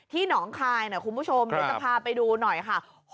ที่หนองคลายเนี่ยคุณผู้ชมจะพาไปดูหน่อยค่ะ